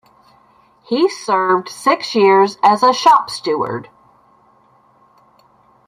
He served six years as a shop steward.